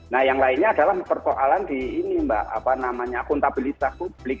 nah yang lainnya adalah persoalan di ini mbak apa namanya akuntabilitas publik